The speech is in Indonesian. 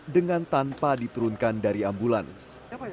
dengan tanpa diturunkan dari ambulans